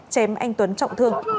chém anh tuấn trọng thương